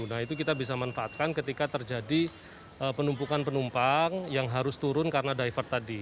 nah itu kita bisa manfaatkan ketika terjadi penumpukan penumpang yang harus turun karena divert tadi